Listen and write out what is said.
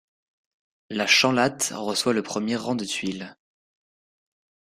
La chanlatte reçoit le premier rang de tuiles.